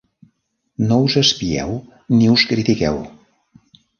I no us espieu ni us critiqueu.